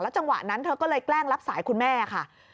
จังหวะนั้นเธอก็เลยแกล้งรับสายคุณแม่ค่ะ